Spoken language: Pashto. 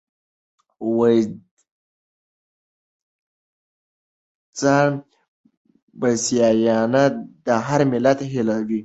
ځانبسیاینه د هر ملت هیله وي.